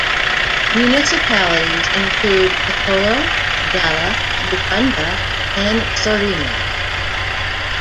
Municipalities include Cacolo, Dala, Muconda, and Saurimo.